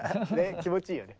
気持ちいいよね。